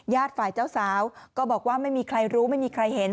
ฝ่ายเจ้าสาวก็บอกว่าไม่มีใครรู้ไม่มีใครเห็น